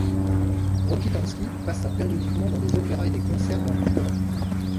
Rokitansky passa périodiquement dans des opéras et des concerts dans toute l'Europe.